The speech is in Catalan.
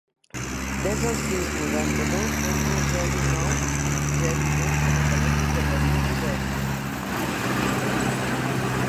Desa el sis, noranta-dos, dotze, zero, nou, zero, dos com a telèfon de la Rim Zubeldia.